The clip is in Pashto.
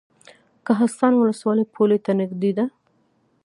کهسان ولسوالۍ پولې ته نږدې ده؟